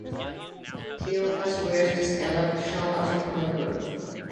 Cleopas wears the scallop shell of a pilgrim.